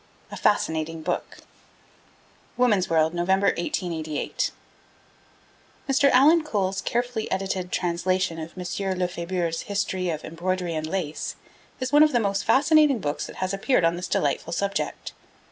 A FASCINATING BOOK (Woman's World, November 1888.) Mr. Alan Cole's carefully edited translation of M. Lefebure's history of Embroidery and Lace is one of the most fascinating books that has appeared on this delightful subject.